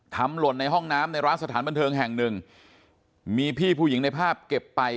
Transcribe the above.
หล่นในห้องน้ำในร้านสถานบันเทิงแห่งหนึ่งมีพี่ผู้หญิงในภาพเก็บไป